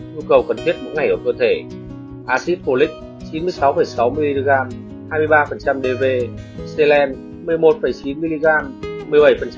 nhu cầu cần thiết mỗi ngày của cơ thể acid folic hai mươi ba dv xe len